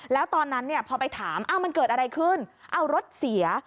แล้วตอนนั้นพอไปถามมันเกิดอะไรขึ้นเอารถเสีย